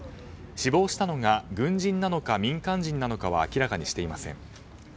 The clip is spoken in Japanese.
死亡したのが軍人なのか民間人なのかは明らかにしていません。